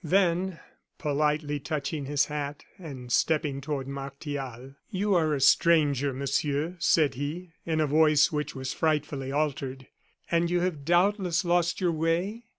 Then, politely touching his hat, and stepping toward Martial: "You are a stranger, Monsieur," said he, in a voice which was frightfully altered, "and you have doubtless lost your way?"